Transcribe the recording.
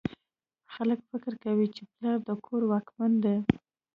خلک فکر کوي چې پلار د کور واکمن دی